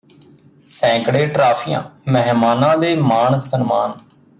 ਸੈਂਕੜੇ ਟਰਾਫੀਆਂ ਮਹਿਮਾਨਾਂ ਦੇ ਮਾਣ ਸਨਮਾਨ